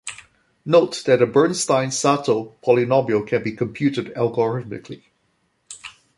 Note, that the Bernstein-Sato polynomial can be computed algorithmically.